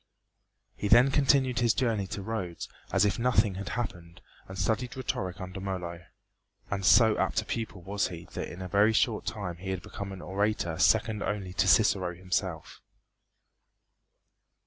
He then continued his journey to Rhodes as if nothing had happened and studied rhetoric under Molo; and so apt a pupil was he that in a very short time he became an orator second only to Cicero himself.